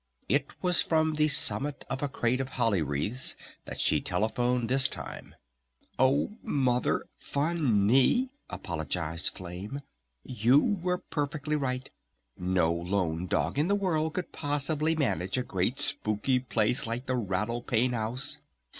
It was from the summit of a crate of holly wreaths that she telephoned this time. "Oh Mother Funny," apologized Flame, "you were perfectly right. No lone dog in the world could possibly manage a great spooky place like the Rattle Pane House.